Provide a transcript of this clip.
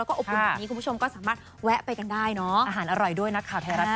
ขอบคุณมาก